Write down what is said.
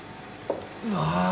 うわ！